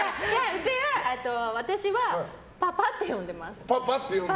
うちは、私はパパって呼んでます。